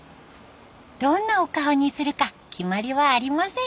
どんなお顔にするか決まりはありません。